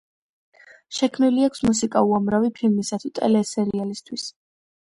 შექმნილი აქვს მუსიკა უამრავი ფილმისა თუ ტელესერიალისთვის.